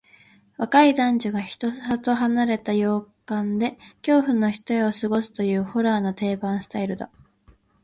若い男女が人里離れた洋館で恐怖の一夜を過ごすという、ホラーの定番スタイルだ。